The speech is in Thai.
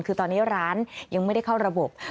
คือตอนนี้ร้านยังไม่ได้เข้าระบบ